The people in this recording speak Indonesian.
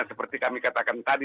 seperti kami katakan tadi